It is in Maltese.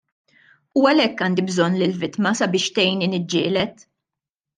U għalhekk għandi bżonn lill-vittma sabiex tgħinni niġġieled!